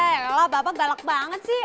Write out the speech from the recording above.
yee lah bapak galak banget sih